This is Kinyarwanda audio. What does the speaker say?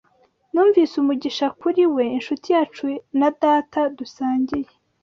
Numvise umugisha kuriwe Inshuti yacu na Data dusangiye